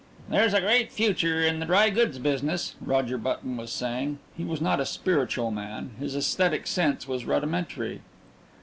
"There's a great future in the dry goods business," Roger Button was saying. He was not a spiritual man his aesthetic sense was rudimentary.